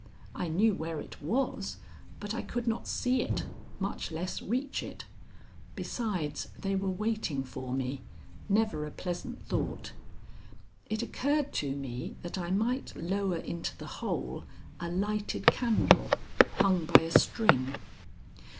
I knew where it was, but I could not see it, much less reach it. Besides, they were waiting for me never a pleasant thought. It occurred to me that I might lower into the hole a lighted candle hung by a string.